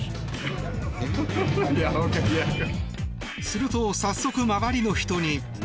すると、早速周りの人に。